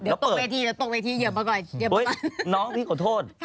เดี๋ยวตกเวที่เดี๋ยวตกเวที่เยี่ยมมาก่อนโอ๊ยน้องพี่ขอโทษ